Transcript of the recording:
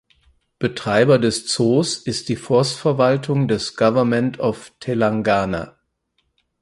Betreiber des Zoos ist die Forstverwaltung des "Government of Telangana".